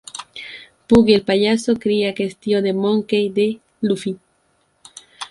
Buggy el Payaso creía que es tío de Monkey D. Luffy.